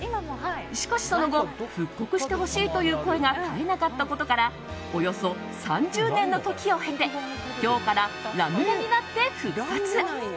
しかし、その後復刻してほしいという声が絶えなかったことからおよそ３０年の時を経て今日からラムネになって復活。